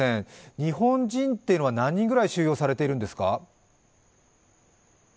日本人というのは何人くらい収容されているんですか？